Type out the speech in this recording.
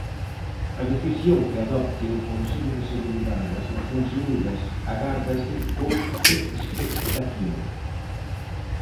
A decisión que adopte o Consello de Seguridade das Nacións Unidas agárdase con expectación.